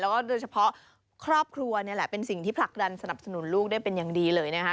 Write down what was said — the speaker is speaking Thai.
แล้วก็โดยเฉพาะครอบครัวนี่แหละเป็นสิ่งที่ผลักดันสนับสนุนลูกได้เป็นอย่างดีเลยนะคะ